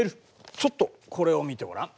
ちょっとこれを見てごらん。